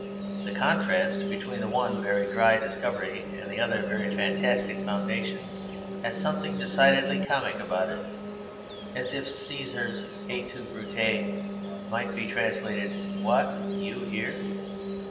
The contrast between the one very dry discovery and the other very fantastic foundation has something decidedly comic about it; as if Cæsar's "Et tu, Brute," might be translated, "What, you here?"